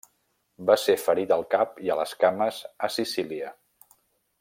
Va ser ferit al cap i a les cames a Sicília.